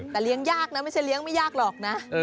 แต่เลี้ยงยากนะไม่ใช่เลี้ยงไม่ยากหรอกนะ